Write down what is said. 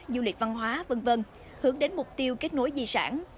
du lịch văn hóa v v hướng đến mục tiêu kết nối di sản